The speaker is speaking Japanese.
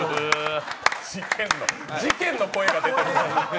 事件の声が出てる。